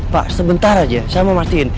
pak sebentar aja saya mau matiin